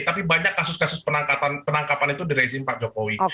tapi banyak kasus kasus penangkapan itu di rezim pak jokowi